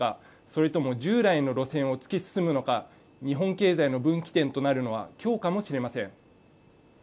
それとも従来の路線を突き進むのか日本経済の分岐点となるのは今日かもしれません